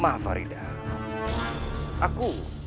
jangan mencari jalan pulang